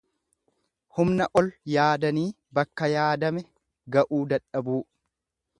Humna ol yaadanii bakka yaadame ga'uu dadhabuu.